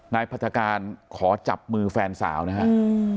พัฒการขอจับมือแฟนสาวนะครับ